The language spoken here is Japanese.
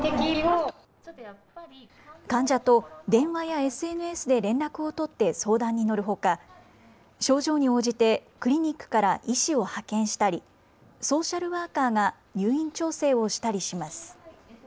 患者と電話やＳＮＳで連絡を取って相談に乗るほか症状に応じてクリニックから医師を派遣したりソーシャルワーカーが入院調整をしたりします。